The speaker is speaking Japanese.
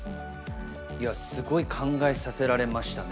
いやすごい考えさせられましたね。